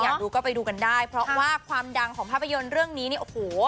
ดูก็ไปดูกันได้เพราะว่าความดังของภาพยนตร์เรื่องนี้เนี่ยโอ้โห